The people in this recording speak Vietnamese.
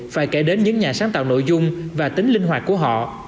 phải kể đến những nhà sáng tạo nội dung và tính linh hoạt của họ